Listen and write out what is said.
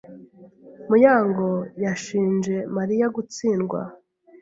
Muyango yashinje Mariya gutsindwa.